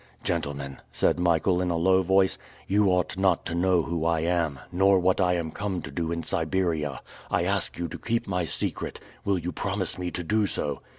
"Gentlemen," said Michael, in a low voice, "you ought not to know who I am, nor what I am come to do in Siberia. I ask you to keep my secret. Will you promise me to do so?"